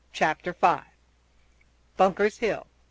CHAPTER V. BUNKER'S HILL.